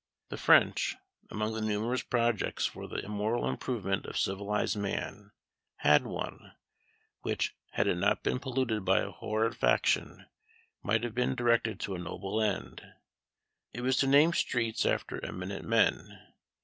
The French, among the numerous projects for the moral improvement of civilised man, had one, which, had it not been polluted by a horrid faction, might have been directed to a noble end. It was to name streets after eminent men.